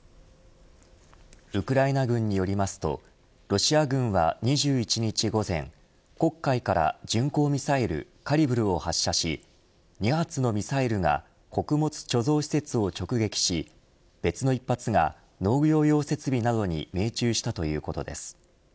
ウクライナ軍によりますとロシア軍は２１日午前黒海から巡航ミサイル、カリブルを発射し２発のミサイルが穀物貯蔵施設を直撃し別の１発が、農業用設備などに命中したということです。